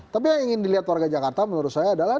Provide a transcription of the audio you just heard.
tapi yang ingin dilihat warga jakarta menurut saya adalah